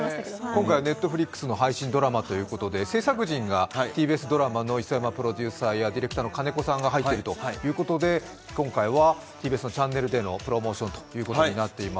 今回Ｎｅｔｆｌｉｘの配信ドラマということで制作陣がＴＢＳドラマの磯山プロデューサーやディレクターの金子さんが入っているということで今回はＴＢＳのチャンネルでプロモーションになっています。